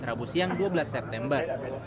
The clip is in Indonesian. rabu siang dua belas september